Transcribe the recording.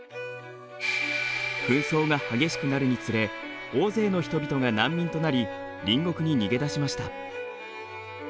紛争が激しくなるにつれ大勢の人々が難民となり隣国に逃げ出しました。